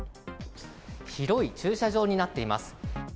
広い駐車場になっています。